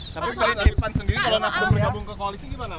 tapi kalau nasional bergabung ke koalisi gimana